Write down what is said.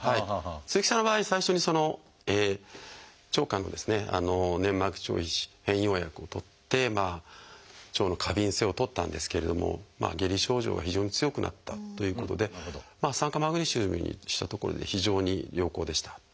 鈴木さんの場合最初に腸管の粘膜上皮機能変容薬をとって腸の過敏性を取ったんですけれども下痢症状が非常に強くなったということで酸化マグネシウムにしたところ非常に良好でした。